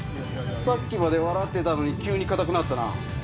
さっきまで笑ってたのに急に硬くなったな。